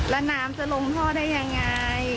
แล้วน้ำจะลงท่อได้ยังไง